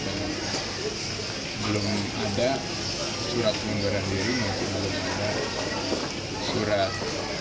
belum ada surat pengunduran diri masih belum ada surat